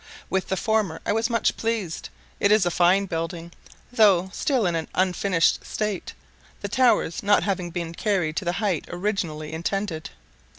With the former I was much pleased: it is a fine building, though still in an unfinished state, the towers not having been carried to the height originally intended.